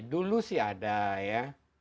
dulu sih ada ya